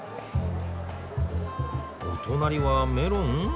お隣はメロン？